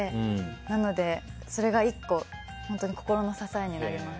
なので、それが１個心の支えになります。